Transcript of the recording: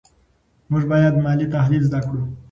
موږ باید مالي تحلیل زده کړو.